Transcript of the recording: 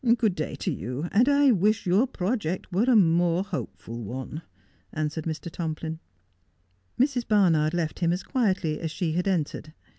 ' Good day to you, and I wish your project were a more hope ful one,' answered Mr. Tomplin. Mrs. Barnard left him as quietly as she had entered.